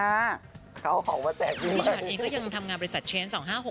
พี่ชอตเองก็ยังทำงานบริษัทเชนส์๒๕๖๑